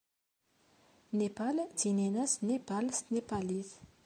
Nepal ttinin-as Nepal s tnepalit.